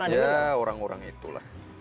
ya orang orang itulah